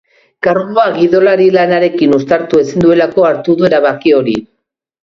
Kargua gidoilari lanarekin uztartu ezin duelako hartu du erabaki hori.